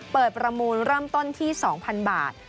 ประมูลเริ่มต้นที่๒๐๐๐บาท